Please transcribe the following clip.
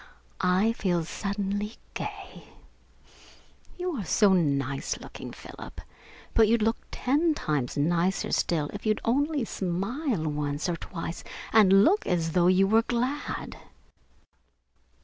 I feel suddenly gay. You are so nice looking, Philip, but you'd look ten times nicer still if you'd only smile once or twice and look as though you were glad."